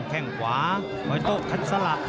แข่งขวาหอยโต๊ะขัดสลับ